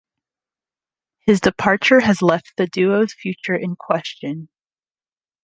His departure has left the duo's future in question.